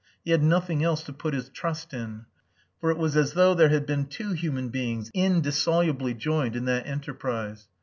He had nothing else to put his trust in. For it was as though there had been two human beings indissolubly joined in that enterprise.